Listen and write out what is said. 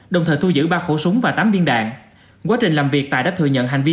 đồng thời thu giữ ba khẩu súng và tám viên đạn quá trình làm việc tài đã thừa nhận hành vi